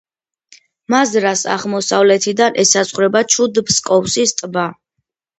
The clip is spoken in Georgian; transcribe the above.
მაზრას აღმოსავლეთიდან ესაზღვრება ჩუდ-ფსკოვის ტბა.